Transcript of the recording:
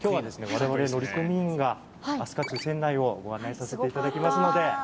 我々乗組員が飛鳥船内をご案内させていただきますので。